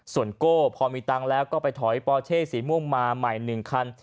ส่วนโก้พอมีตังค์แล้วก็ไปถอยปอเช่สีม่วงมาใหม่๑คัน